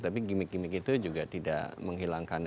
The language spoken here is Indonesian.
tapi gimmick gimmick itu juga tidak menghilangkan